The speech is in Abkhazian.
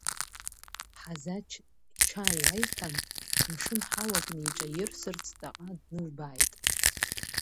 Ҳазач иҽааилеиҳәан, мшын ҳауак неиҿаирсырц, ҵаҟа дналбааит…